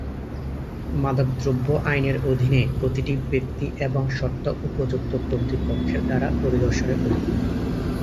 মাদকদ্রব্য আইনের অধীনে প্রতিটি ব্যক্তি এবং সত্তা উপযুক্ত কর্তৃপক্ষের দ্বারা পরিদর্শনের অধীন।